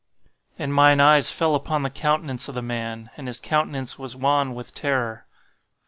"And mine eyes fell upon the countenance of the man, and his countenance was wan with terror.